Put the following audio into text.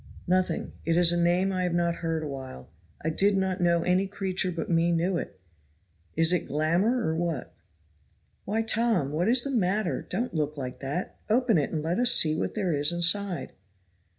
"Nothing. It is a name I have not heard a while. I did not know any creature but me knew it; is it glamour, or what?" "Why, Tom! what is the matter? don't look like that. Open it, and let us see what there is inside."